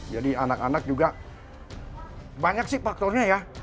jadi anak anak juga banyak sih faktornya ya